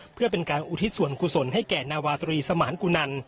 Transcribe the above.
เพื่อเป็นการอุทิศส่วนกุศลให้แก่นาวาตรีสมานกุนัน